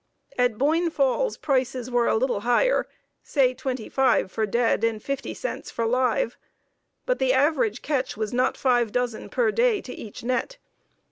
At Boyne Falls prices were a little higher, say twenty five for dead and fifty cents for live, but the average catch was not five dozen per day to each net.